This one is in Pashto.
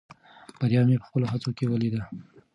بریا مې په خپلو هڅو کې ولیده.